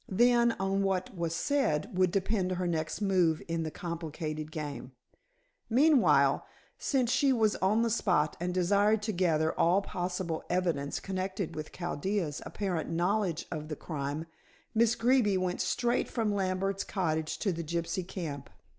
Then, on what was said would depend her next move in the complicated game. Meanwhile, since she was on the spot and desired to gather all possible evidence connected with Chaldea's apparent knowledge of the crime, Miss Greeby went straight from Lambert's cottage to the gypsy camp.